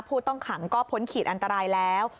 ผู้ต้องขังก็พ้นขีดอันตรายแล้ว